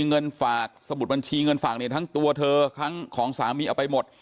เงินฝากสมุดบัญชีเงินฝากเนี่ยทั้งตัวเธอทั้งของสามีเอาไปหมด